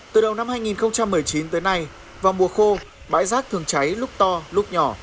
từ đầu năm hai nghìn một mươi chín tới nay vào mùa khô bãi rác thường cháy lúc to lúc nhỏ